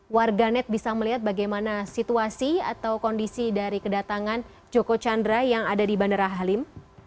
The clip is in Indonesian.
warga net bisa melihat bagaimana situasi atau kondisi dari kedatangan joko chandra yang ada di bandara halim